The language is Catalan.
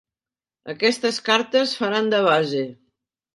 Aquestes cartes faran de base.